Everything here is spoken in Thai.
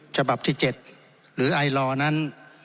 ฉบับที่๗หรือไอลอนั้น